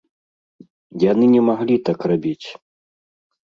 Яны не маглі так рабіць!